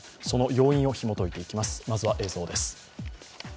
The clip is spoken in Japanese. その要因をひもといていきます。